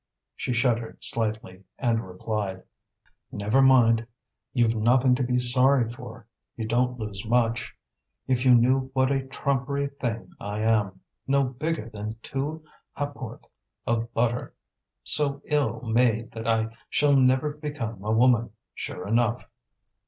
She shuddered slightly and replied: "Never mind, you've nothing to be sorry for; you don't lose much. If you knew what a trumpery thing I am no bigger than two ha'porth of butter, so ill made that I shall never become a woman, sure enough!"